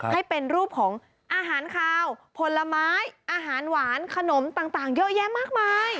ให้เป็นรูปของอาหารคาวผลไม้อาหารหวานขนมต่างเยอะแยะมากมาย